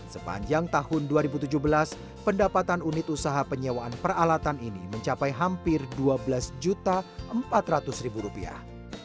sepanjang tahun dua ribu tujuh belas pendapatan unit usaha penyewaan peralatan ini mencapai hampir dua belas empat ratus rupiah